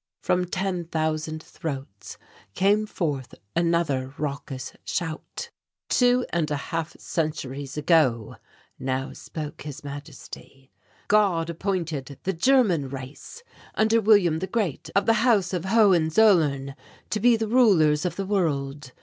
From ten thousand throats came forth another raucous shout. "Two and a half centuries ago," now spoke His Majesty, "God appointed the German race, under William the Great, of the House of Hohenzollern, to be the rulers of the world.